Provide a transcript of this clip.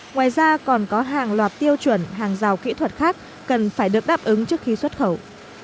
ngoài ra còn có hàng loạt tiêu chuẩn hàng rào kỹ thuật khác cần phải được đáp ứng trước khi xuất khẩu